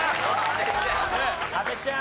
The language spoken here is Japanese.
阿部ちゃん。